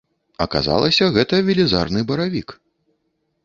Аказалася, гэта велізарны баравік.